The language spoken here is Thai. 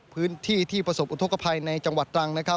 พื้นที่ที่ประสบอุทธกภัยในจังหวัดตรังนะครับ